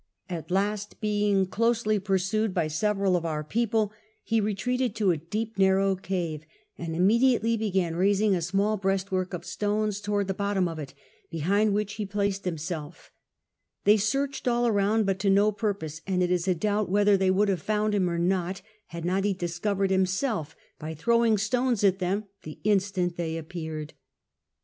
At last, being closely pursued by several of our people^ he retreated to a deep narrow cave, and iinmcdiately began raising a small breastwork of stones towards the bottom of it, behiiul which he placed himself; they searched all nmnd, but to no ])Up|)ose ; and it is a doubt whether they would have found him or not, had not he difurovereil himself by thr(»w*ing stones at them the instant they ap|ieare«l.